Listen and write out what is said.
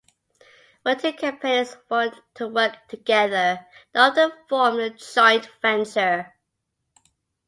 When two companies want to work together, they often form a joint venture.